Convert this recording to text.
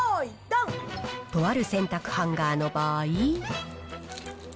とある洗濯ハンガーの場合。